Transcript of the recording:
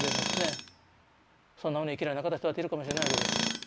そんなふうに生きられなかった人だっているかもしれないわけですよ。